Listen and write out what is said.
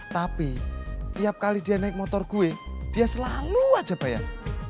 tapi tiap kali dia naik motor gue dia selalu aja bayar